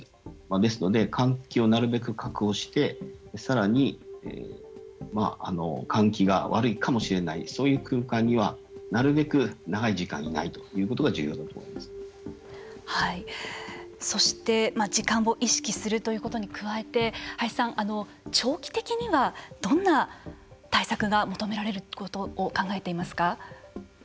ですので換気をなるべく確保してさらに換気が悪いかもしれないそういう空間にはなるべく長い時間いないということがそして時間を意識するということに加えて林さん、長期的にはどんな対策が求められると考えていますか。